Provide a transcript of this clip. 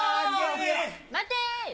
待て！